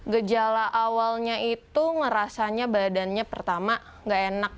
gejala awalnya itu ngerasanya badannya pertama gak enak